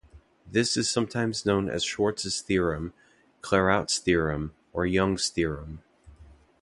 This is sometimes known as Schwarz's theorem, Clairaut's theorem, or Young's theorem.